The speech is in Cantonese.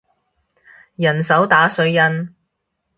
人手打水印